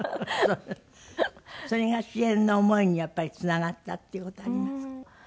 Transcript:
それが支援の思いにやっぱりつながったっていう事あります？